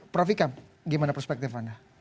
prof ikam gimana perspektif anda